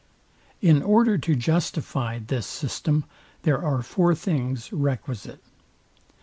In order to justify this system, there are four things requisite.